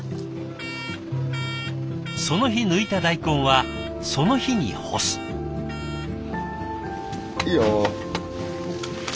その日抜いた大根はその日に干す。いいよ。